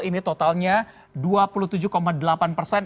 ini totalnya dua puluh tujuh delapan persen